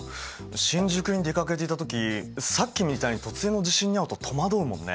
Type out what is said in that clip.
新宿に出かけていた時さっきみたいに突然の地震に遭うと戸惑うもんね。